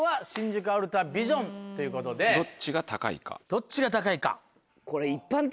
どっちが高いか。